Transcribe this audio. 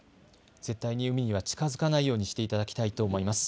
絶対海には近づかないようにしていただきたいと思います。